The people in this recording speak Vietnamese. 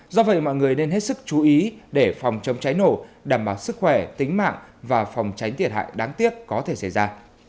do vậy mọi người nên hết sức chú ý để phòng chống cháy nổ đảm bảo sức khỏe tính mạng và phòng tránh thiệt hại đáng tiếc có thể xảy ra